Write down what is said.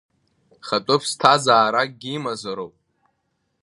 Хатәы ԥсҭазааракгьы имазароуп!